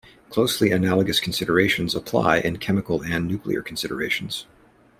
Closely analogous considerations apply in chemical and nuclear considerations.